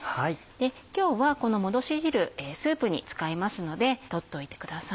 今日はこのもどし汁スープに使いますので取っといてください。